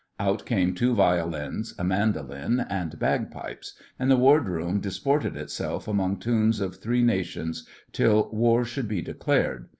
Out came two violins, a mandoline, and bagpipes, and the ward room disported itself among tunes of three Nations till War should be declared.